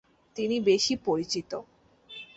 তিনি বেশি পরিচিত।